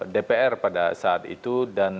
dpr pada saat itu dan